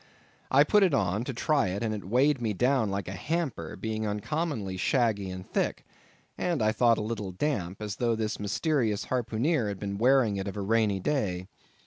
I put it on, to try it, and it weighed me down like a hamper, being uncommonly shaggy and thick, and I thought a little damp, as though this mysterious harpooneer had been wearing it of a rainy day.